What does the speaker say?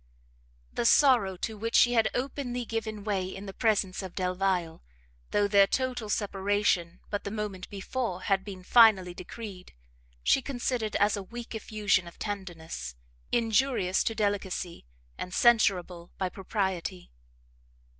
The sorrow to which she had openly given way in the presence of Delvile, though their total separation but the moment before had been finally decreed, she considered as a weak effusion of tenderness, injurious to delicacy, and censurable by propriety.